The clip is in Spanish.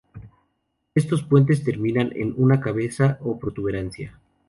Estos puentes terminan en una cabeza o protuberancia.